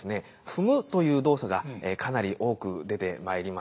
「踏む」という動作がかなり多く出てまいります。